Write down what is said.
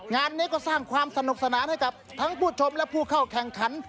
งานนี้ก็สร้างความสนุกสนานให้กับทั้งผู้ชมและผู้เข้าแข่งขัน